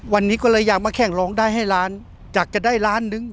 วันนี้ก็เลยอยากมาแข่งร้องได้ให้ล้านอยากจะได้ล้านนึง